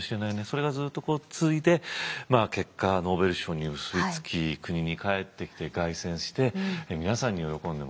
それがずっと続いて結果ノーベル賞に結び付き国に帰ってきて凱旋して皆さんに喜んでもらった。